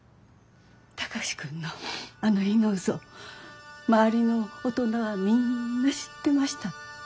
高志くんのあの日のうそ周りの大人はみんな知ってました。